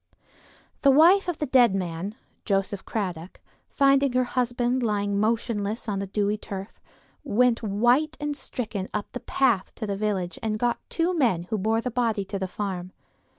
The wife of the dead man, Joseph Cradock, finding her husband lying motionless on the dewy turf, went white and stricken up the path to the village and got two men who bore the body to the farm.